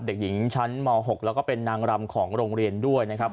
เด็กหญิงชั้นม๖แล้วก็เป็นนางรำของโรงเรียนด้วยนะครับ